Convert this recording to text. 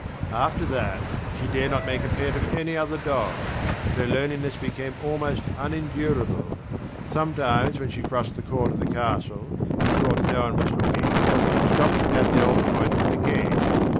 After that she dared not make a pet of any other dog; and her loneliness became almost unendurable. Sometimes, when she crossed the court of the castle, and thought no one was looking, she stopped to pat the old pointer at the gate.